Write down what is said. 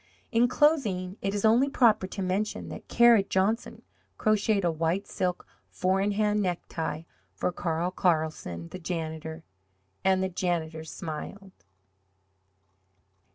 In closing it is only proper to mention that Kara Johnson crocheted a white silk four in hand necktie for Carl Carlsen, the janitor and the janitor smiled!